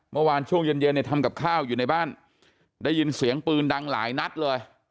เมื่อวานช่วงเย็นเย็นเนี่ยทำกับข้าวอยู่ในบ้านได้ยินเสียงปืนดังหลายนัดเลย